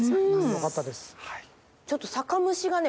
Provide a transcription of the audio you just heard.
よかったです。